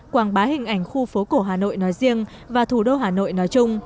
quảng bá hình ảnh khu phố cổ hà nội nói riêng và thủ đô hà nội nói chung